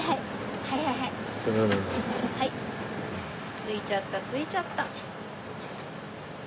着いちゃった着いちゃった。